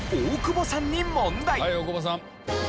はい大久保さん。